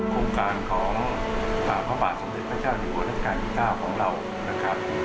โครงการของพระบาทสมศิษย์พระเจ้าหรือบทศกาลที่๙ของเรานะครับ